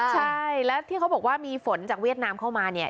ใช่แล้วที่เขาบอกว่ามีฝนจากเวียดนามเข้ามาเนี่ย